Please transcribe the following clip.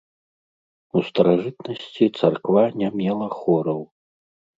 У старажытнасці царква не мела хораў.